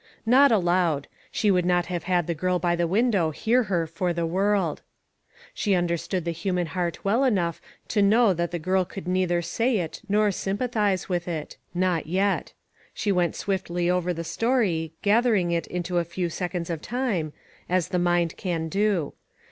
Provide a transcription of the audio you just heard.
Not aloud. She would not have had the girl by the window hear her for the world. 387 388 ONE COMMONPLACE DAY. She understood the human heart well enough to know that the girl could neither say it nor sj7nipathize with it; not yet. She went swiftly over the story, gathering it into a few seconds of time, as the mind can do.